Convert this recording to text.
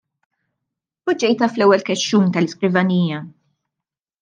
Poġġejtha fl-ewwel kexxun tal-iskrivanija.